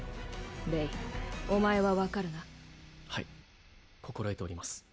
レイお前は分かるなはい心得ております